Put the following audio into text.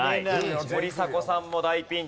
森迫さんも大ピンチ。